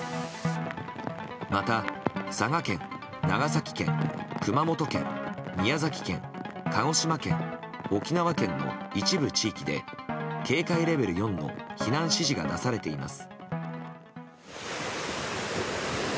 また佐賀県、長崎県、熊本県宮崎県、鹿児島県沖縄県の一部地域で警戒レベル４の避難指示が出されています。